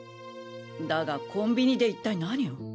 だがコンビニで一体何を？